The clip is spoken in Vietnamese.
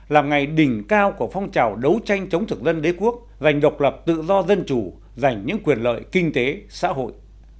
làm ngày đỉnh cao của phong trào đấu tranh chống thực dân đế quốc dành độc lập tự do dân chủ giành những quyền lợi kinh tế xã hội